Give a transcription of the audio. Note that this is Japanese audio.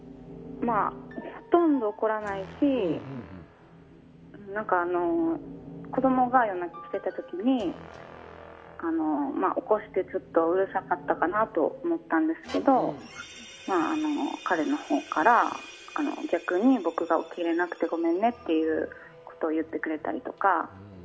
ほとんど怒らないし子供が夜泣きしていた時に起こしてうるさかったかなと思ったんですけど彼のほうから逆に僕が起きれなくてごめんねっていうことを言ってくれたりとか。